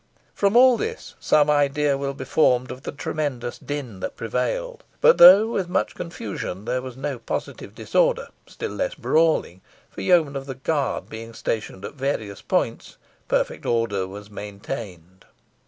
From all this some idea will be formed of the tremendous din that prevailed; but though with much confusion there was no positive disorder, still less brawling, for yeomen of the guard being stationed at various points, perfect order was maintained.